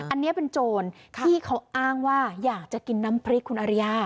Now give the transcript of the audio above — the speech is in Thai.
อันนี้เป็นโจรที่เขาอ้างว่าอยากจะกินน้ำพริกคุณอริยา